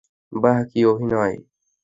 বাহ কি অভিনয়।